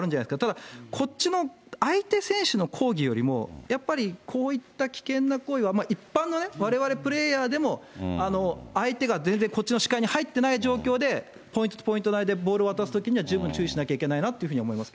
ただ、こっちの、相手選手の抗議よりも、やっぱりこういった危険な行為は、一般のね、われわれプレーヤーでも、相手が全然、こっちの視界に入ってない状況で、ポイントとポイントの間で渡すときには十分注意しなきゃいけないなと思います。